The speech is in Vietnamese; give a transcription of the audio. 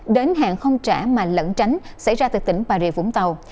đến hạn không trả mà lẫn tránh xảy ra từ tỉnh bà rịa vũng tàu